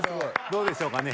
どうでしょうかね？